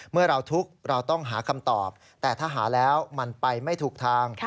เมื่อเราทุกข์เราต้องหาคำตอบแต่ถ้าหาแล้วมันไปไม่ถูกทาง